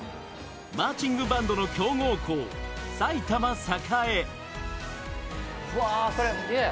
マーチングバンドの強豪校埼玉栄。